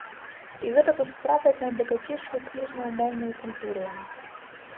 І гэта тут справа з найбагацейшаю кніжнаю моўнаю культураю.